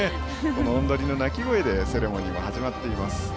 おん鳥の鳴き声でセレモニーも始まっています。